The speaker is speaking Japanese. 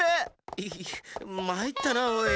イヒッまいったなおい。